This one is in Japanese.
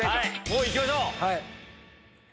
もう行きましょう。